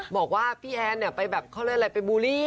บอกว่าพี่แอนเนี่ยไปแบบเขาเรียกอะไรไปบูลลี่